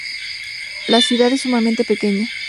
La ciudad es sumamente pequeña.